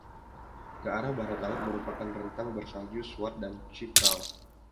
Ke arah barat laut merupakan rentang bersalju Swat dan Chitral.